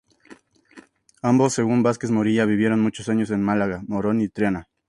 Ambos, según Vázquez Morilla, vivieron muchos años en Málaga, Morón y Triana.